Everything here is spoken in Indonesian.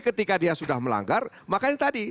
ketika dia sudah melanggar makanya tadi